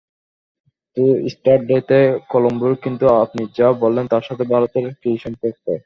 তো ইস্টার ডে-তে কলোম্বোয় কিন্তু আপনি যা বললেন তার সাথে ভারতের কী সম্পর্ক?